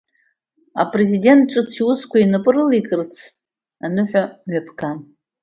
Апрези-дент ҿыц иусқәа инапы рылеикырц, аныҳәа мҩаԥган.